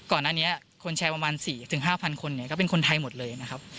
ก่อนอันนี้คนแชร์ประมาณ๔๕พันคนเนี่ยก็เป็นคนไทยหมดเลยนะครับ